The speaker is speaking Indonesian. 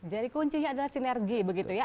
jadi kuncinya adalah sinergi begitu ya